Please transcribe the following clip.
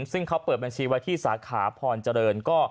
ซึ่งเขาเปิดบัญชีไว้ที่สาขาพรเจริญ